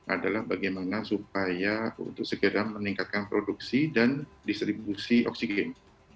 adalah bagaimana supaya untuk segera meningkatkan produksi dan distribusi oksigen